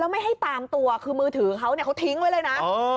ไม่ให้ตามตัวคือมือถือเขาเนี่ยเขาทิ้งไว้เลยนะ